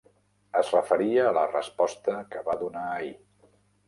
Es referia a la resposta que va donar ahir.